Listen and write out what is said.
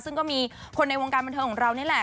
ซึ่งก็มีคนในวงการบันเทิงของเรานี่แหละ